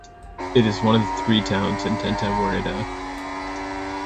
It is one of three towns in Tenta woreda.